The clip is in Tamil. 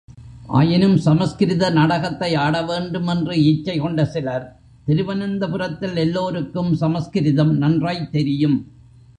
ஆயினும் சம்ஸ்கிருத நாடகத்தை ஆட வேண்டுமென்று இச்சை கொண்ட சிலர், திருவனந்தபுரத்தில் எல்லோருக்கும் சம்ஸ்கிருதம் நன்றாய்த் தெரியும்.